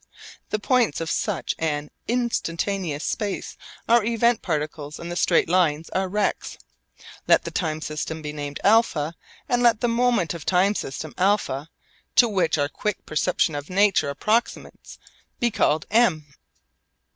The points of such an instantaneous space are event particles and the straight lines are rects. Let the time system be named α, and let the moment of time system α to which our quick perception of nature approximates be called M.